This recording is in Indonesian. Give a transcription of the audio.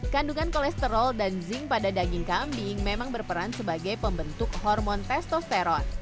kandungan kolesterol dan zinc pada daging kambing memang berperan sebagai pembentuk hormon testosteron